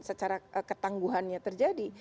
secara ketangguhannya terjadi